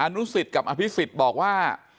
นุสิตกับอภิษฎบอกว่า